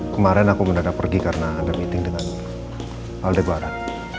kemaren aku beneran pergi karena ada meeting dengan aldebaran